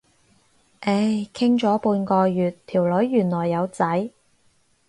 唉，傾咗半個月，條女原來有仔。